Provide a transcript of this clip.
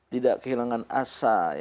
tidak kehilangan asa